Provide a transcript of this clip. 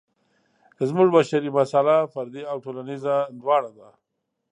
زموږ بشري مساله فردي او ټولنیزه دواړه ده.